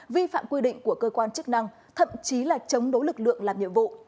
vi phạm quy định của cơ quan chức năng thậm chí là chống đối lực lượng làm nhiệm vụ